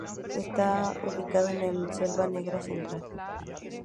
Está ubicado en la Selva Negra Central.